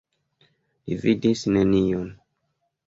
Li vidis nenion.